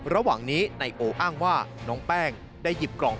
ระหว่างนี้นายโออ้างว่าน้องแป้งได้หยิบกล่อง